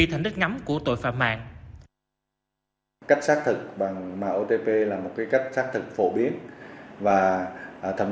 thành đất ngắm của tội phạm mạng cách xác thực bằng mã otp là một cách xác thực phổ biến và thậm